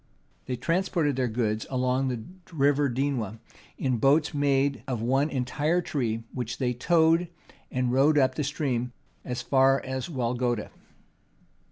They transported their goods along the River Dwina in boats made of one entire tree, which they towed and rowed up the stream as far as Walogda.